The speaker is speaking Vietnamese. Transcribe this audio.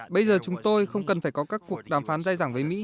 bây giờ chúng tôi không cần phải có các cuộc đàm phán dai dẳng với mỹ